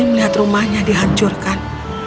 dan semangatnya dihancurkan